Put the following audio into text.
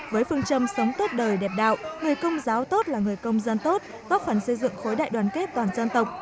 với phương châm sống tốt đời đẹp đạo người công giáo tốt là người công dân tốt góp phần xây dựng khối đại đoàn kết toàn dân tộc